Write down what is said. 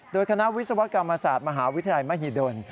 โดยคณะวิศวกรรมศาสตร์มหาวิทยาลัยมหิดล